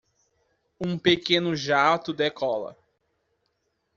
um pequeno jato decola.